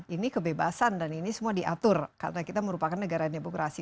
ini kebebasan dan ini semua diatur karena kita merupakan negara demokrasi